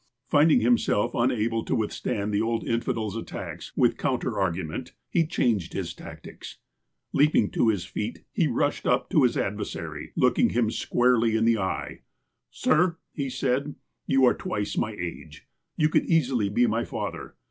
Finding himself unable to withstand the old infidel's attacks with counter argument, he changed his tactics. Leaping to his feet he rushed up to his adversary, look ing liini squarely in the eye. " Sir !" he said, "you are twice my age. You could easily be my father.